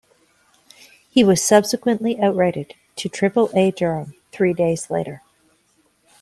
He was subsequently outrighted to Triple-A Durham three days later.